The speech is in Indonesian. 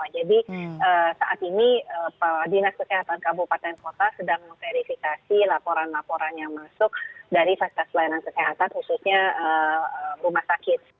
jadi saat ini dinas kesehatan kabupaten kota sedang memverifikasi laporan laporan yang masuk dari fasitas pelayanan kesehatan khususnya rumah sakit